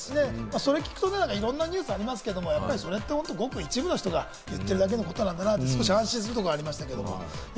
それを聞くと、いろんなニュースありますけれども、それって本当ごく一部の人が言っているだけのことなんだなって少し安心するところ、ありましたけれども。